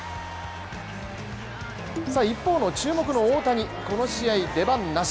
一方の注目の大谷、この試合、出番なし。